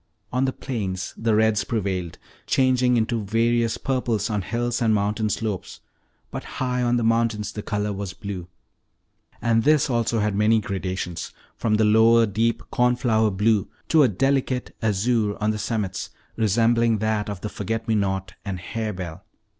On the plains the reds prevailed, changing into various purples on hills and mountain slopes; but high on the mountains the color was blue; and this also had many gradations, from the lower deep cornflower blue to a delicate azure on the summits, resembling that of the forget me not and hairbell.